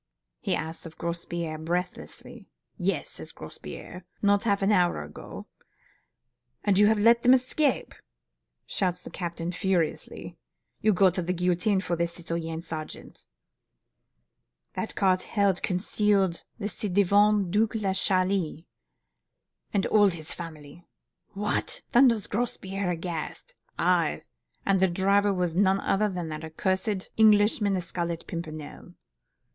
he asks of Grospierre, breathlessly. 'Yes,' says Grospierre, 'not half an hour ago.' 'And you have let them escape,' shouts the captain furiously. 'You'll go to the guillotine for this, citoyen sergeant! that cart held concealed the ci devant Duc de Chalis and all his family!' 'What!' thunders Grospierre, aghast. 'Aye! and the driver was none other than that cursed Englishman, the Scarlet Pimpernel.